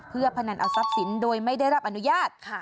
เพื่อพนันเอาทรัพย์สินโดยไม่ได้รับอนุญาต